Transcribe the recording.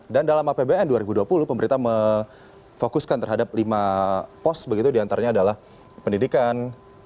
dan dalam apbn dua ribu dua puluh pemerintah memfokuskan terhadap lima pos diantaranya adalah pendidikan